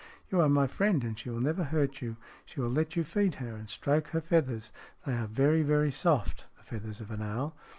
You are my friend, and she will never hurt you. She will let you feed her and stroke her feathers. They are very, very soft, the feathers of an owl."